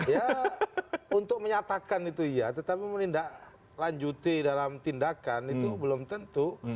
ya untuk menyatakan itu iya tetapi menindaklanjuti dalam tindakan itu belum tentu